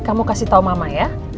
kamu kasih tahu mama ya